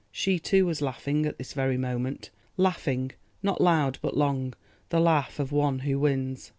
She too was laughing at this very moment, laughing, not loud but long—the laugh of one who wins.